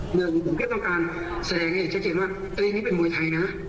หนึ่งผมแค่ต้องการแสดงให้เห็นชัดเจนว่าตัวเองนี่เป็นมวยไทยนะ